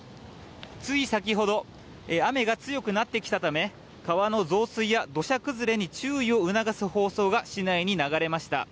つい先ほど雨が強くなってきたため川の増水や土砂崩れに注意を促す放送が市内に流れました。